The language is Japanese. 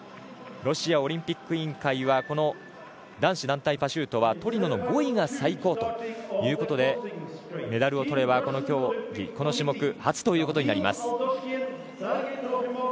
ロシアオリンピック委員会はこの男子団体パシュートはトリノの５位が最高ということでメダルをとれば、この競技この種目初ということになります。